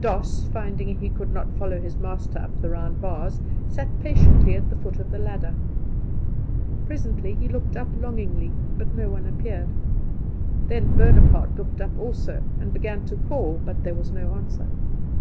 Doss, finding he could not follow his master up the round bars, sat patiently at the foot of the ladder. Presently he looked up longingly, but no one appeared. Then Bonaparte looked up also, and began to call; but there was no answer.